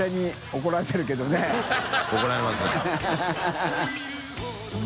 怒られますね。